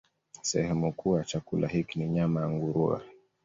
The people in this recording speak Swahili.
Sehemu kuu ya chakula hiki ni nyama ya nguruwe.